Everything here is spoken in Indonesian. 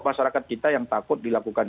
masyarakat kita yang takut dilakukan